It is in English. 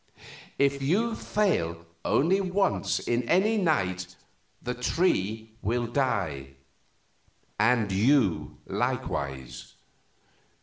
If you fail only once in any night, the tree will die, and you likewise.